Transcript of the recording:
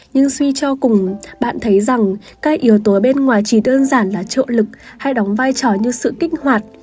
nhưng suy cho cùng bạn thấy rằng các yếu tố bên ngoài chỉ đơn giản là trộ lực hay đóng vai trò như sự kích hoạt